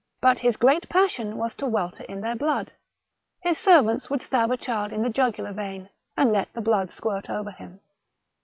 But his great passion was to welter in their blood. His servants would stab a child in the jugular vein, and let the blood squirt over him.